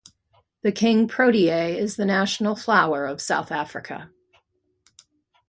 The king protea is the national flower of South Africa.